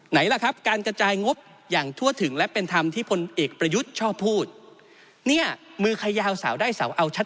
ไหนล่ะครับการกระจายงบอย่างทั่วถึงและเป็นธรรมที่พลเอกประยุทธ์ชอบพูดเนี่ยมือขยาวสาวได้เสาเอาชัด